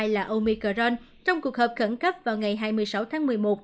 là omicron trong cuộc họp khẩn cấp vào ngày hai mươi sáu tháng một mươi một